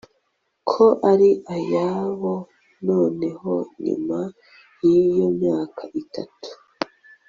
ko ari ayabo noneho nyuma y iyo myaka itatu